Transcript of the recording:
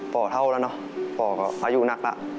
ป่าเท่าเลยนะป่าก็อายุหนักแล้ว